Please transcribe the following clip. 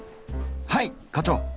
はい課長。